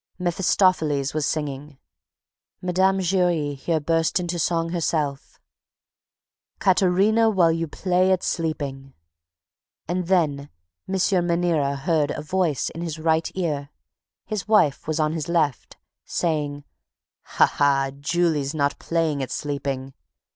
Mephistopheles was singing" Mme. Giry here burst into song herself "'Catarina, while you play at sleeping,' and then M. Maniera heard a voice in his right ear (his wife was on his left) saying, 'Ha, ha! Julie's not playing at sleeping!'